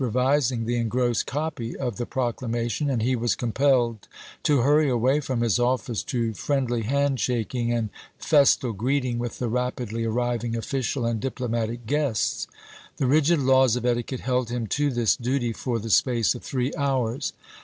revising the engrossed copy of the proclamation, and he was compelled to hurry away from his ofifice to friendly handshaking and festal greeting with the rapidly arriving official and diplomatic guests. The rigid laws of etiquette held him to this duty for the space of three hours.